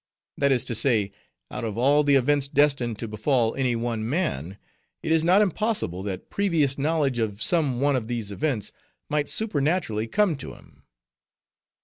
That is to say, out of all the events destined to befall any one man, it is not impossible that previous knowledge of some one of these events might supernaturally come to him.